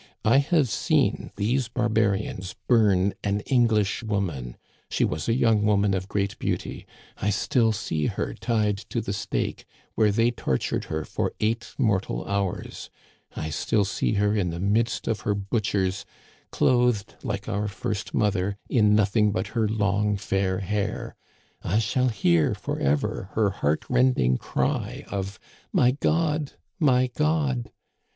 I have seen these barbarians burn an English woman. She was a young woman of great beauty. I still see her tied to the stake, where they tortured her for eight mor tal hours. I still see her in the midst of her butchers, clothed, like our first mother, in nothing but her long, fair hair. I shall hear forever her heart rending cry of * My God ! my God